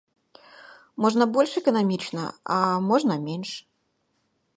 Можна больш эканамічна, а можна менш.